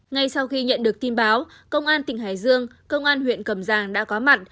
ngay sau khi nhận được tin báo công an tỉnh hải dương công an huyện cầm giang đã có mặt